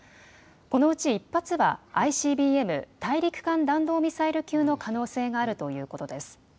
このうち１発はＩＣＢＭ・大陸間弾道ミサイル級の可能性があるということです。